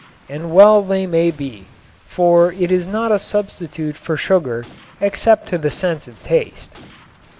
And well they may be, for it is not a substitute for sugar except to the sense of taste.